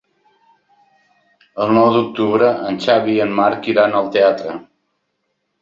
El nou d'octubre en Xavi i en Marc iran al teatre.